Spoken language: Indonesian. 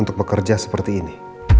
untuk bekerja seperti ini